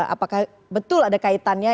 apakah betul ada kaitannya